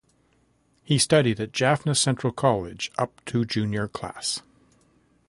He studied at Jaffna Central College up to junior class.